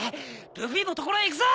ルフィのところへ行くぞ！